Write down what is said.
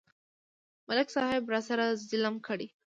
ملک صاحب راسره ظلم کړی.